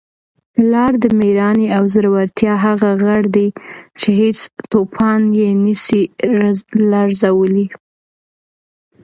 پلار د مېړانې او زړورتیا هغه غر دی چي هیڅ توپان یې نسي لړزولی.